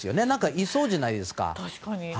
いそうじゃないですか。